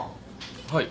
はい。